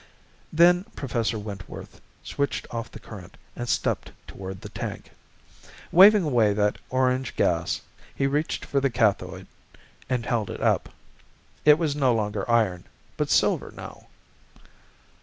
Then Professor Wentworth switched off the current and stepped toward the tank. Waving away that orange gas, he reached for the cathode and held it up. It was no longer iron, but silver, now.